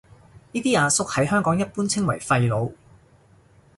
呢啲阿叔喺香港一般稱為廢老